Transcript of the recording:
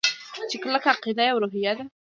چې کلکه عقیده يوه روحیه ده.